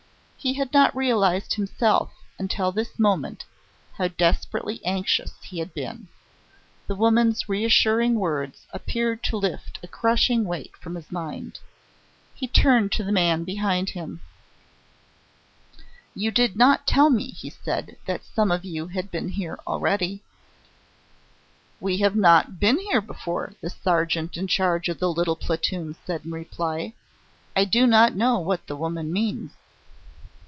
He had not realised himself until this moment how desperately anxious he had been. The woman's reassuring words appeared to lift a crushing weight from his mind. He turned to the man behind him. "You did not tell me," he said, "that some of you had been here already." "We have not been here before," the sergeant in charge of the little platoon said in reply. "I do not know what the woman means."